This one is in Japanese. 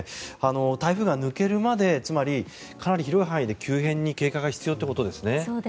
台風が抜けるまでつまり、かなり広い範囲で急変に警戒が必要ということですね。